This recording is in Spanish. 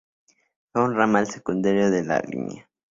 Fue un ramal secundario de la línea.